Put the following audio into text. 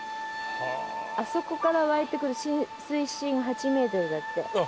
あそこから湧いてくる水深８ｍだって。